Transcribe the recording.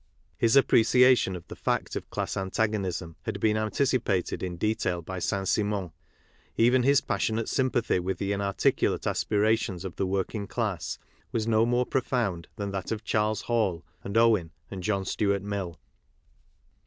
His appreciation of the fact of class antagonism had been anticipated in detail by Saint Simon. Even his passionate sympathy with the inarticulate aspirations of the working class was no more profound than that of Charles Hall and Owen and John Stuart Mill.